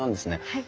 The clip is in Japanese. はい。